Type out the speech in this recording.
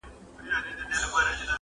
نن دي بیا اوږدو نکلونو ته زړه کیږي -